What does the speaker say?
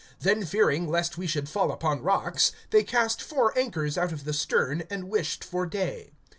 (29)Then fearing lest we should fall upon rocks, they cast four anchors out of the stern, and wished for day.